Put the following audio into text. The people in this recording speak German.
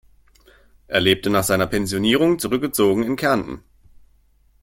Er lebte nach seiner Pensionierung zurückgezogen in Kärnten.